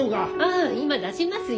ああ今出しますよ。